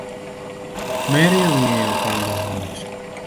Mary ongeyo pango ot